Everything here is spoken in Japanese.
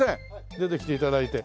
出てきて頂いて。